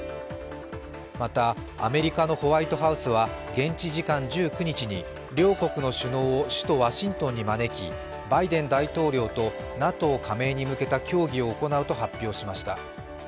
また、アメリカのホワイトハウスは現地時間１９日に両国の首脳を首都ワシントンに招き、バイデン大統領とＮＡＴＯ加盟に向けた協議を行うと発表しました。